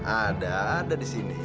ada ada disini